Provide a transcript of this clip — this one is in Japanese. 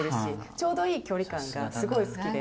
ちょうどいい距離感がすごい好きで。